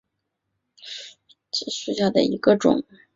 兜叶藓为带藓科兜叶藓属下的一个种。